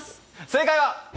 正解は。